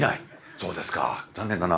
そうですか残念だな。